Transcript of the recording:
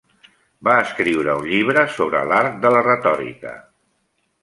Va escriure un llibre sobre l'art de la retòrica.